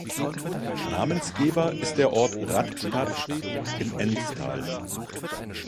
Namensgeber ist der Ort Radstadt im Ennstal.